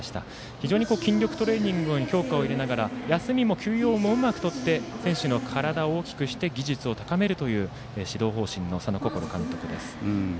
非常に筋力トレーニングで強化をしながら休みもうまくとりながら選手の体を大きくして技術を高めるという指導方針の佐野心監督です。